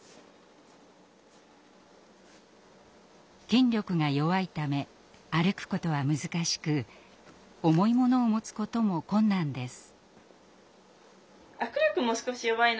筋力が弱いため歩くことは難しく重いものを持つことも困難です。